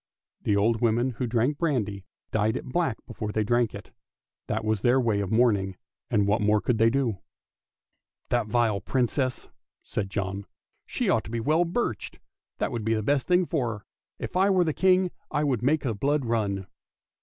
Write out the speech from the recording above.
The old women who drank brandy dyed it black before they drank it; that was their way of mourning, and what more could they do !" That vile Princess! " said John, " she ought to be well birched, that would be the best thing for her. If I were the King I would make the blood run!